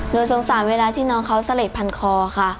หนูสงสารเวลาที่น้องเขาเสล็ดพันคอค่ะ